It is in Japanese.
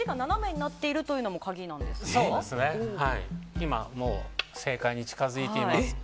今もう正解に近づいています。